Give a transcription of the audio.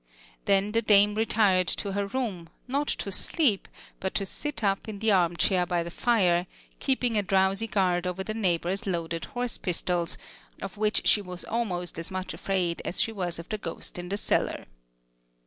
Then the dame retired to her room, not to sleep, but to sit up in the arm chair by the fire, keeping a drowsy guard over the neighbor's loaded horse pistols, of which she was almost as much afraid as she was of the ghost in the cellar.